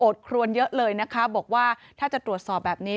ครวนเยอะเลยนะคะบอกว่าถ้าจะตรวจสอบแบบนี้